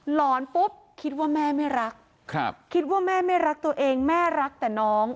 หอนปุ๊บคิดว่าแม่ไม่รักครับคิดว่าแม่ไม่รักตัวเองแม่รักแต่น้อง